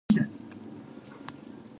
Youth rugby is on Sundays.